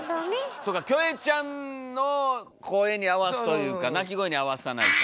そうかキョエちゃんの声に合わすというか鳴き声に合わさないと。